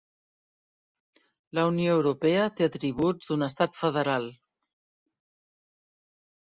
La Unió Europea té atributs d'un estat federal.